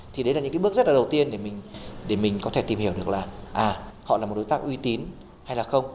thì đấy là những cái bước rất là đầu tiên để mình có thể tìm hiểu được là à họ là một đối tác uy tín hay là không